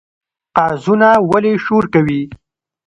قازونه ولې شور کوي؟